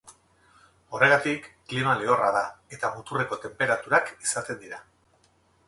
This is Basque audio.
Horregatik klima lehorra da, eta muturreko tenperaturak izaten dira.